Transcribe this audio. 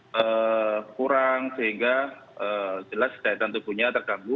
jadi kurang sehingga jelas daya tahan tubuhnya terganggu